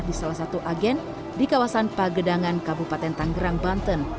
di salah satu agen di kawasan pagedangan kabupaten tanggerang banten